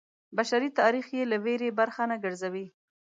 بشري تاریخ یې له ویرې برخه نه ګرځوي.